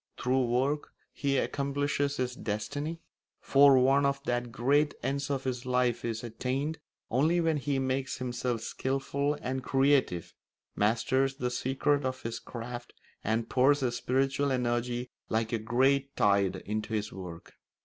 Through work he accomplishes his destiny; for one of the great ends of his life is attained only when he makes himself skilful and creative, masters the secrets of his craft and pours his spiritual energy like a great tide into his work.